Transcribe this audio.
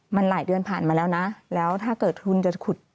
มันหลายเดือนผ่านมาแล้วนะแล้วถ้าเกิดทุนจะขุด